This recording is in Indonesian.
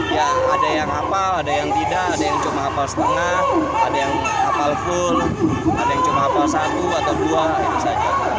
ya ada yang hafal ada yang tidak ada yang cuma hafal setengah ada yang hafal full ada yang cuma hafal satu atau dua itu saja